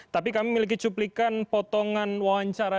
tapi kami memiliki cuplikan potongan wawancara